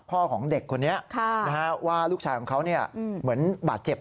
พ่อของเด็กคนนี้ค่ะนะฮะว่าลูกชายของเขาเนี่ยอืมเหมือนบาดเจ็บ